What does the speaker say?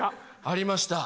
ありました。